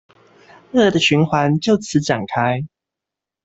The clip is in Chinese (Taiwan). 惡的循環就此展開